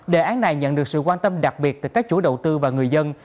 đề án này nhận được sự quan tâm đặc biệt từ các chủ đầu tư và người dân